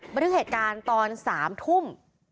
มันเป็นเหตุการณ์ตอน๓ทุ่ม